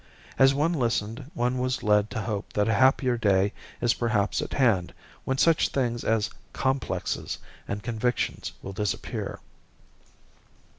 As one listened one was led to hope that a happier day is perhaps at hand when such things as "complexes" and convictions will disappear.